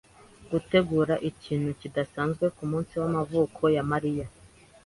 Gutegura ikintu kidasanzwe kumunsi wamavuko ya Mariya.